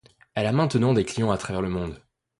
Elle a maintenant des clients à travers le monde.